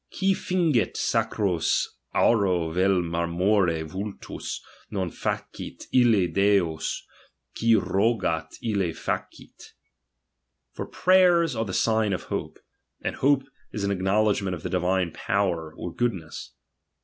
" Qui fingit sacros auro vel marmore vultus. Noil facit ille decs; qui rogat, i!le facit." For prayers are the signs of hope ; and hope is an acknowledgment of the divine power or goodness.